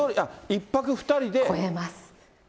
超えます。